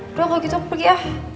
udah kalau gitu aku pergi ah